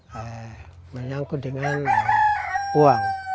ya menyangkut dengan uang